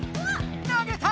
投げた！